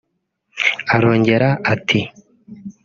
Arongera ati